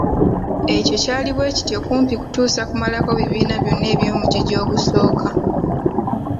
Ekyo kyali bwe kityo kumpi kutuusa kumalako bibiina byonna eby’omugigi ogusooka.